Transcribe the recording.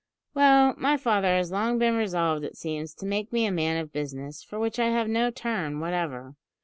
"Well, my father has long been resolved, it seems, to make me a man of business, for which I have no turn whatever.